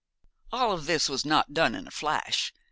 All this was not done in a flash.